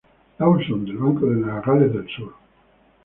Lawson del Banco de Nueva Gales del Sur.